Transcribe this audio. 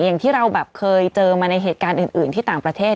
อย่างที่เราแบบเคยเจอมาในเหตุการณ์อื่นที่ต่างประเทศ